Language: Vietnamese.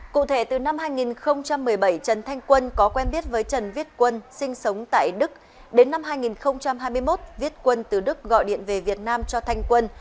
cụ thể từ năm hai nghìn một mươi bảy trần thanh quân có quen biết với trần viết quân sinh sống tại đức đến năm hai nghìn hai mươi một viết quân từ đức gọi điện về việt nam cho thanh quân